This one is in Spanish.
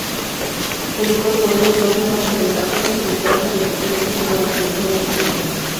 Con los dos goles Donovan sobrepasó las cincuenta anotaciones con la selección nacional.